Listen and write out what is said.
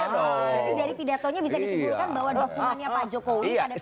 jadi dari pidatonya bisa disimpulkan bahwa dukungannya pak jokowi pada pilpres ke pak prabowo